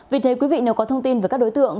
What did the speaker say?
vì thế quý vị nếu có thông tin về các đối tượng